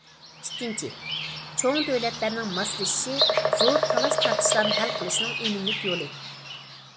ئىككىنچى، چوڭ دۆلەتلەرنىڭ ماسلىشىشى زور تالاش تارتىشلارنى ھەل قىلىشنىڭ ئۈنۈملۈك يولى.